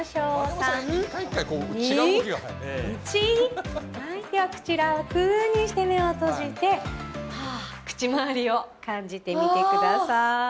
３、２、１、では口を楽にして目を閉じて、口回りを感じてみてください。